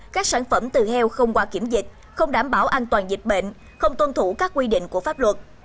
các sản phẩm từ heo không qua kiểm dịch không đảm bảo an toàn dịch bệnh không tuân thủ các quy định của pháp luật